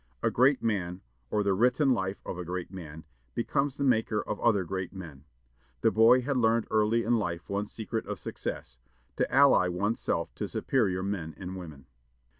A great man, or the written life of a great man, becomes the maker of other great men. The boy had learned early in life one secret of success; to ally one's self to superior men and women.